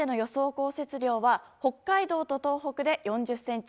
降雪量は北海道と東北で４０ｃｍ